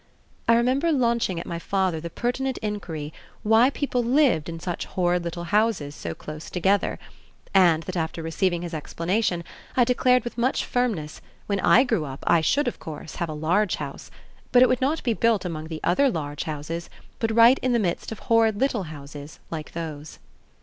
I remember launching at my father the pertinent inquiry why people lived in such horrid little houses so close together, and that after receiving his explanation I declared with much firmness when I grew up I should, of course, have a large house, but it would not be built among the other large houses, but right in the midst of horrid little houses like those.